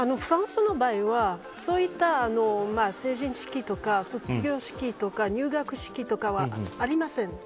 フランスの場合は、そういった成人式とか卒業式とか入学式とかはありません。